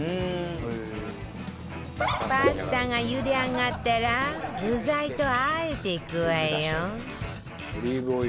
パスタが茹で上がったら具材と和えていくわよ